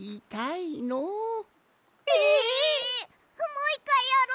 もういっかいやろ！